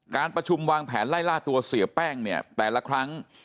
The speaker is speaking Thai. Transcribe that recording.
การประชุมวางแผนไล่ล่าตัวเสียแป้งเนี่ยแต่ละครั้ง